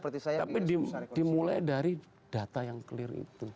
tapi dimulai dari data yang clear itu